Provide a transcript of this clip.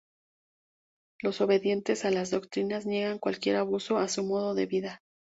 Los obedientes a las doctrinas niegan cualquier abuso a su modo de vida.